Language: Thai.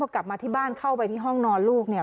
กลับมาที่บ้านเข้าไปที่ห้องนอนลูกเนี่ย